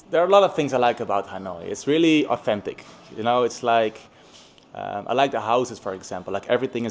trong những thời gian không quá khó nông tài năng